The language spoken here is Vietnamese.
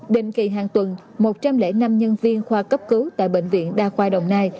định kỳ hàng tuần một trăm linh năm nhân viên khoa cấp cứu tại bệnh viện đa khoa đồng nai